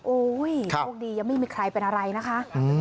โชคดียังไม่มีใครเป็นอะไรนะคะ